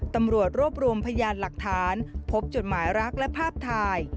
ตำรวจรวบรวมพยานหลักฐานพบจดหมายรักและภาพถ่าย